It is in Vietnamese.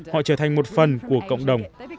họ trở thành một phần của cộng đồng